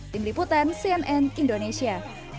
tim liputan cnn indonesia